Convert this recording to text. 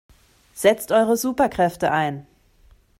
Setzt eure Superkräfte ein!